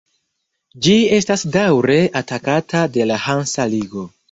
Ĝi estas daŭre atakata de la Hansa Ligo.